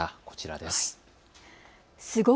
こちらです。